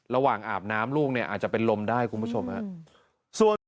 อาบน้ำลูกเนี่ยอาจจะเป็นลมได้คุณผู้ชมฮะ